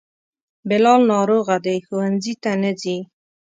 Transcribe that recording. بلال ناروغه دی, ښونځي ته نه ځي